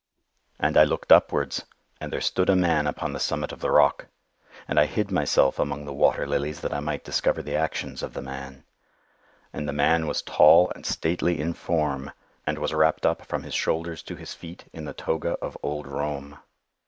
"And I looked upwards, and there stood a man upon the summit of the rock; and I hid myself among the water lilies that I might discover the actions of the man. And the man was tall and stately in form, and was wrapped up from his shoulders to his feet in the toga of old Rome.